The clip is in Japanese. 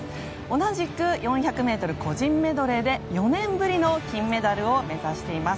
同じく４００ｍ個人メドレーで４年ぶりの金メダルを目指しています。